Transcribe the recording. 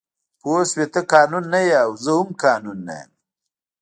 پوه شوې ته قانون نه یې او زه هم قانون نه یم